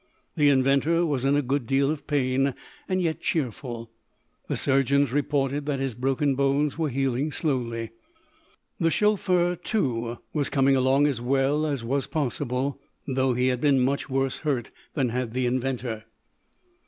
The inventor was in a good deal of pain, yet cheerful. The surgeons reported that his broken bones were healing slowly. The chauffeur, too, was coming along as well as was possible, though he had been much worse hurt than had the inventor.